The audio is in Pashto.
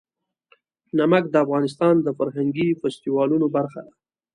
نمک د افغانستان د فرهنګي فستیوالونو برخه ده.